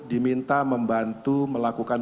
diminta membantu melakukan